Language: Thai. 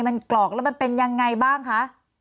มันกรอกแล้วมันเป็นยังไงบ้างคะ